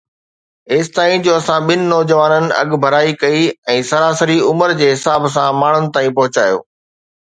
ايستائين جو اسان ٻن نوجوانن اڳڀرائي ڪئي ۽ سراسري عمر جي حساب سان ماڻهن تائين پهچايو